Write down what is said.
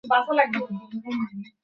আম্মুকে একটা চুমু দিয়ে যাও।